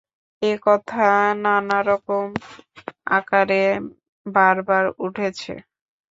এ কথা নানা রকম আকারে বারবার উঠেছে।